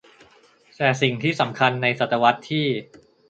แต่สิ่งที่สำคัญในศตวรรษที่